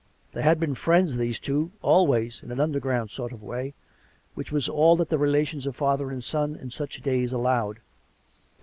They had been friends, these two, always, in an underground sort of way, which was all that the relations of father and son in such days allowed.